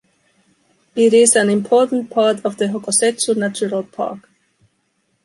It is an important part of the Hokusetsu natural park.